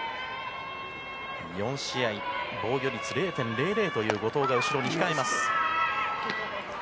４試合、防御率０．００という後藤が後ろに控えます。